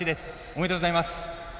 おめでとうございます。